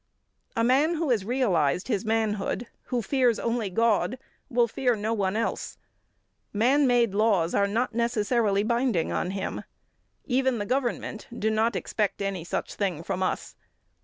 A man who has realised his manhood, who fears only God, will fear no one else. Man made laws are not necessarily binding on him. Even the government do not expect any such thing from us.